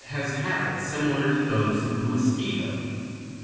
227) has habits similar to those of the mosquito.